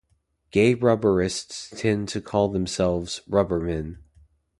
Gay rubberists tend to call themselves "rubbermen".